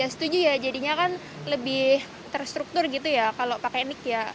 setuju ya jadinya kan lebih terstruktur gitu ya kalau pakai nik ya